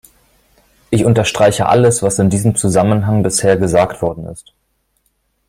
Ich unterstreiche alles, was in diesem Zusammenhang bisher gesagt worden ist.